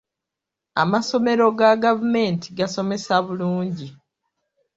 Amasomero ga gavumenti gasomesa bulungi.